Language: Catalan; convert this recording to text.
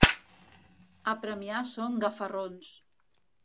A Premià són gafarrons.